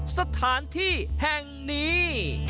สถานที่แห่งนี้